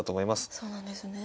そうなんですね。